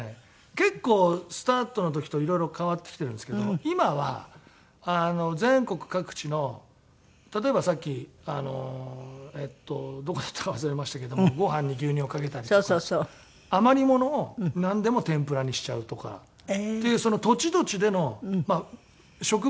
結構スタートの時といろいろ変わってきてるんですけど今は全国各地の例えばさっきえっとどこだったか忘れましたけどもご飯に牛乳をかけたりとか余りものをなんでも天ぷらにしちゃうとかっていうその土地土地でのまあ食文化ですよね。